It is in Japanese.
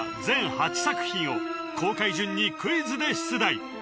全８作品を公開順にクイズで出題